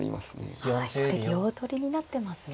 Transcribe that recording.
はいこれ両取りになってますね。